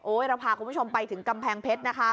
เราพาคุณผู้ชมไปถึงกำแพงเพชรนะคะ